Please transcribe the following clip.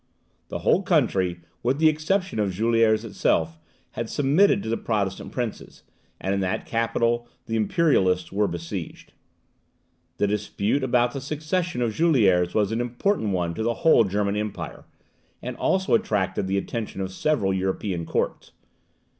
The whole country, with the exception of Juliers itself, had submitted to the Protestant princes, and in that capital the imperialists were besieged. The dispute about the succession of Juliers was an important one to the whole German empire, and also attracted the attention of several European courts.